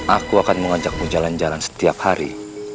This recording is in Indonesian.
aku akan mengajakmu jalan jalan setiap hari